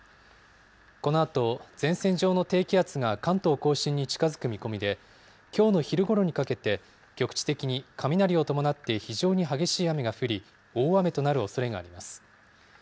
このあと前線上の低気圧が関東甲信に近づく見込みで、きょうの昼ごろにかけて、局地的に雷を伴って非常に激しい雨が降り、大雨となるおそれがあります。